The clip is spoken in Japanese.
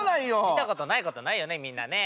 見たことないことないよねみんなね。